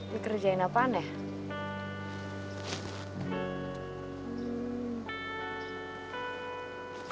dikerjain apaan ya